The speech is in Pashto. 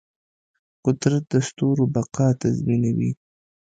قدرت د ستورو بقا تضمینوي.